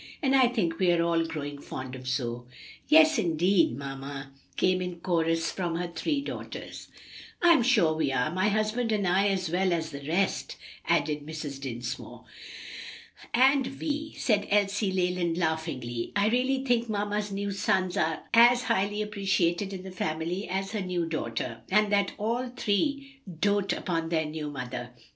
And I think we are all growing fond of Zoe." "Yes, indeed, mamma!" came in chorus from her three daughters. "I'm sure we are; my husband and I as well as the rest," added Mrs. Dinsmore. "And, Vi," said Elsie Leland laughingly, "I really think mamma's new sons are as highly appreciated in the family as her new daughter, and that all three doat upon their new mother.